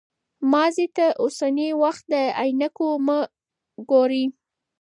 ماضي ته د اوسني وخت له عینکو مه ګورئ.